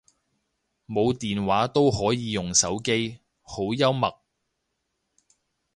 冇電話都可以用手機，好幽默